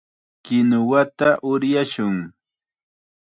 Kinuwata uryashun.